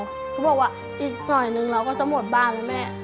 เขาบอกว่าอีกหน่อยนึงเราก็จะหมดบ้านแล้วแม่